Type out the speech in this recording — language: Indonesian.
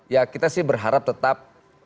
ya kita sih berharap tetap